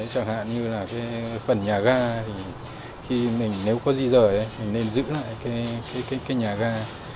chẳng hạn như là cái phần nhà ga thì nếu mình có di rời thì mình nên giữ lại cái nhà ga